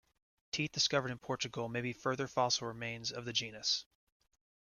Teeth discovered in Portugal may be further fossil remains of the genus.